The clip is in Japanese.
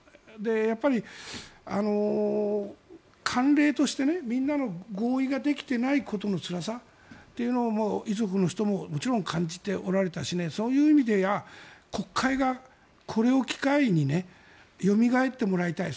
やっぱり慣例としてみんなの合意ができていないことのつらさというのを遺族の人ももちろん感じておられたしそういう意味では国会がこれを機会によみがえってもらいたい。